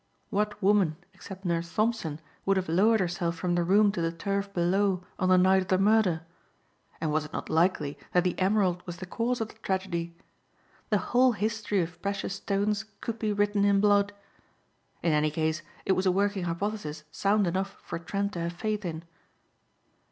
What woman except Nurse Thompson would have lowered herself from the room to the turf below on the night of the murder? And was it not likely that the emerald was the cause of the tragedy? The whole history of precious stones could be written in blood. In any case it was a working hypothesis sound enough for Trent to have faith in.